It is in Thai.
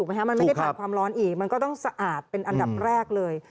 มันไม่ได้ผ่านความร้อนอีกมันก็ต้องสะอาดเป็นอันดับแรกเลย